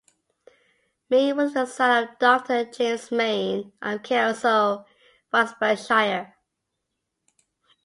Maine was the son of Doctor James Maine, of Kelso, Roxburghshire.